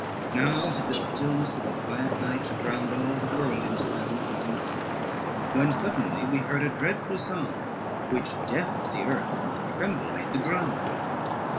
Now had the stillness of the quiet night Drowned all the world in silence and in sleep, When suddenly we heard a dreadful sound, Which deafed the earth, and tremble made the ground.